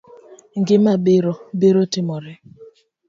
Gima biro, biro timore